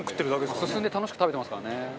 中丸：進んで楽しく食べてますからね。